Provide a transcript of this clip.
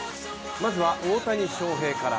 まずは大谷翔平から。